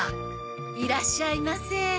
いらっしゃいませ。